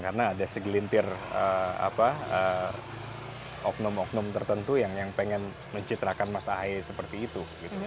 karena ada segelintir oknum oknum tertentu yang pengen mencitrakan mas ahy seperti itu